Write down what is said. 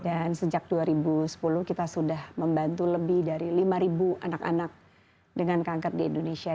dan sejak dua ribu sepuluh kita sudah membantu lebih dari lima anak anak dengan kanker di indonesia